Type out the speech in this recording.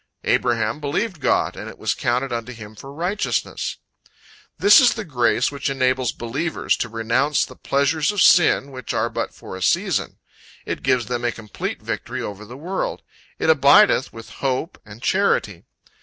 "Abraham believed God, and it was counted unto him for righteousness." This is the grace which enables believers to renounce the pleasures of sin, which are but for a season. It gives them a complete victory over the world. It abideth with hope and charity.